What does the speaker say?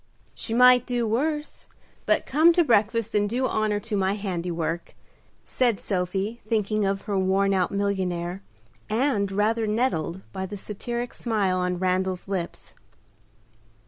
"She might do worse; but come to breakfast and do honor to my handiwork," said Sophie, thinking of her worn out millionnaire, and rather nettled by the satiric smile on Randal's lips.